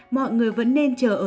mọi người vẫn nên chờ ứng